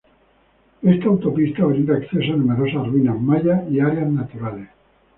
Esta autopista brinda acceso a numerosas ruinas mayas y áreas naturales.